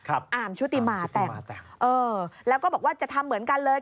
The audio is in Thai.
อาร์มชุติมาแต่งเออแล้วก็บอกว่าจะทำเหมือนกันเลย